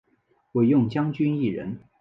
惟用将军一人。